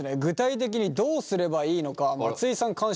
具体的にどうすればいいのか松井さん